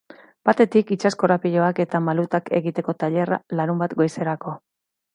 Batetik, itsas korapiloak eta malutak egiteko tailerra, larunbat goizerako.